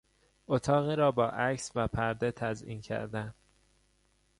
اتاقی را با عکس و پرده تزیین کردن